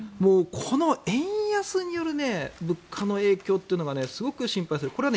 この円安による物価の影響というのがすごく心配される。